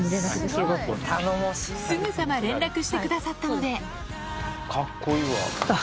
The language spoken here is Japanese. すぐさま連絡してくださったのでカッコいいわ。